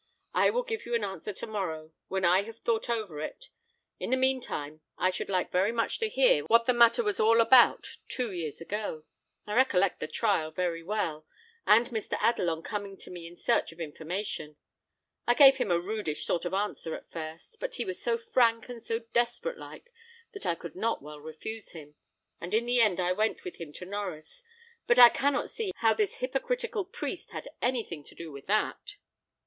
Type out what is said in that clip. I will give you an answer to morrow, when I have thought over it. In the mean time, I should like very much to hear what the matter was all about two years ago. I recollect the trial very well, and Mr. Adelon coming to me in search of information. I gave him a rudish sort of answer at first; but he was so frank and so desperate like, that I could not well refuse; and in the end I went with him to Norries, but I cannot see how this hypocritical priest had anything to do with that."